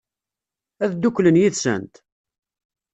Ad dduklen yid-sent?